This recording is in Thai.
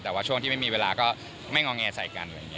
แต่ว่าช่วงที่ไม่มีเวลาก็ไม่ง้องแงใส่กัน